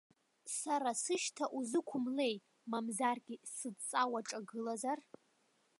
Сара сышьҭа узықәымлеи, мамзаргьы, сыдҵа уаҿагылазар?